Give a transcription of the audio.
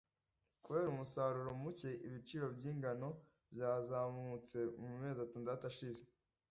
Kubera umusaruro muke, ibiciro by ingano byazamutse mumezi atandatu ashize.